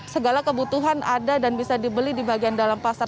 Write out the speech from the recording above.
segala kebutuhan ada dan bisa dibeli di bagian dalam pasar